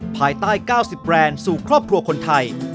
ภายใต้๙๐แบรนด์สู่ครอบครัวคนไทย